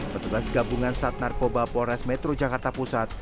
petugas gabungan sat narkoba polres metro jakarta pusat